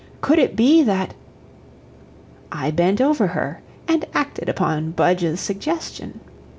Could it be that I bent over her and acted upon Budge's suggestion.